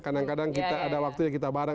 kadang kadang ada waktunya kita bareng